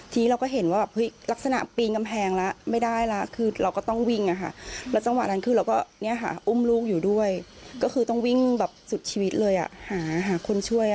ทีนี้เราก็เห็นว่าลักษณะปีนกำแพงแล้วไม่ได้แล้ว